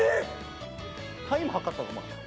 タイム測ったの、お前。